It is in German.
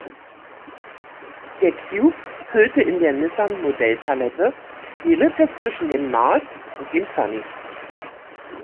Der Cube füllte in der Nissan-Modellpalette die Lücke zwischen dem March und dem Sunny.